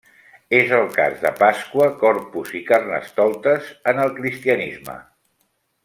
És el cas de Pasqua, Corpus, i Carnestoltes, en el cristianisme.